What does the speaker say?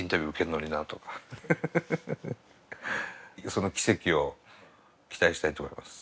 その奇跡を期待したいと思います。